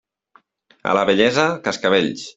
A la vellesa, cascavells.